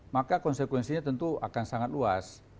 maka konsekuensinya tentu akan sangat luas